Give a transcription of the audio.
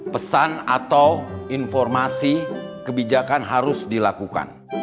pesan atau informasi kebijakan harus dilakukan